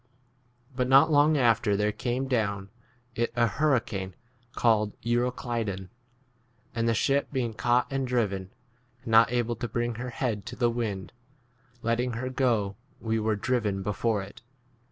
But not long after there came down it a hurricane 15 called Euroclydon. And the ship being caught and driven, and not able to bring her head to the wind, letting her go we were driven 16 [before it].